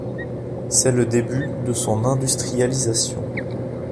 C'est le début de son industrialisation.